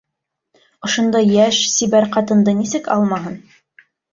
Ошондай йәш, сибәр ҡатынды нисек алмаһын?